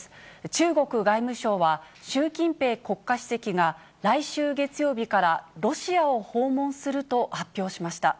中国外務省は、習近平国家主席が、来週月曜日から、ロシアを訪問すると発表しました。